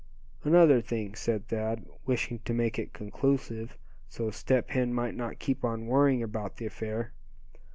"Another thing," said Thad, wishing to make it conclusive, so Step Hen might not keep on worrying about the affair.